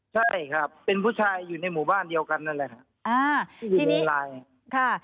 ใช่ครับเป็นผู้ชายอยู่ในหมู่บ้านเดียวกันนั่นแหละค่ะ